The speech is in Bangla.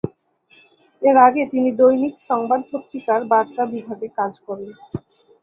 এর আগে তিনি দৈনিক সংবাদ পত্রিকার বার্তা বিভাগে কাজ করেন।